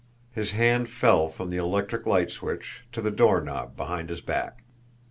His hand fell from the electric light switch to the doorknob behind his back.